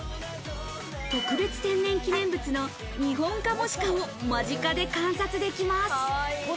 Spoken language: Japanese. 特別天然記念物のニホンカモシカを間近で観察できます。